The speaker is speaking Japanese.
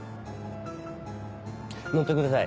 乗ってください。